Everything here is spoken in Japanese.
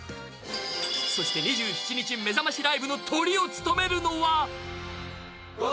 そして、２７日めざましライブのトリを務めるのは。